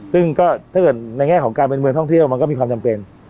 ซึ่งก็ถ้าเกิดในแง่ของการเป็นเมืองท่องเที่ยวมันก็มีความจำเป็น